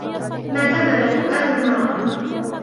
مَا كَذَبَ الْفُؤَادُ مَا رَأَى